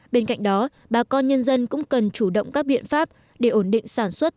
bên cạnh đó bà con nhân dân cũng cần chủ động các biện pháp để ổn định sản xuất